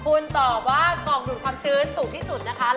คุณตอบว่ากล่องดูดความชื้นสูงที่สุดนะคะ